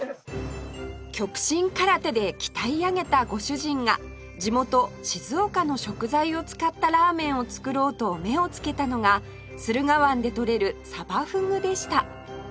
極真空手で鍛え上げたご主人が地元静岡の食材を使ったラーメンを作ろうと目をつけたのが駿河湾で取れるサバフグでした